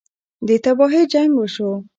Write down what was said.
ده تباهۍ جـنګ وشو.